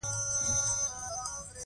پانګوال په صنعت کې وحشیانه سیالي کوي